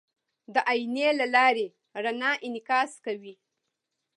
د آیینې له لارې رڼا انعکاس کوي.